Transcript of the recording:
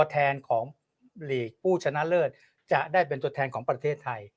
จดแทนของผู้ชนะเลิศจะได้เป็นจดแทนของประเทศไทย